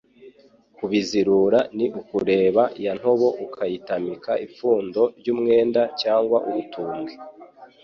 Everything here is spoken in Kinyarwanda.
Kubizirura ni ukureba ya ntobo ukayitamika ipfundo ry’umwenda cyangwa urutumbwe